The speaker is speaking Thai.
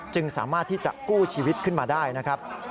สามารถที่จะกู้ชีวิตขึ้นมาได้นะครับ